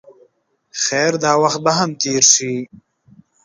خیر دا وخت به هم تېر شي.